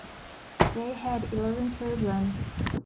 They had eleven children.